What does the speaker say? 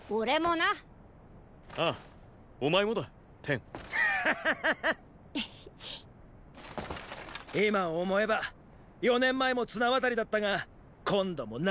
今思えば四年前も綱渡りだったが今度もなかなかだな。